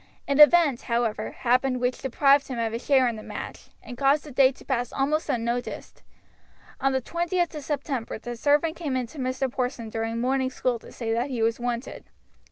An event, however, happened which deprived him of his share in the match, and caused the day to pass almost unnoticed. On the 20th of September the servant came in to Mr. Porson during morning school to say that he was wanted.